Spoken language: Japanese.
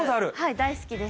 大好きです。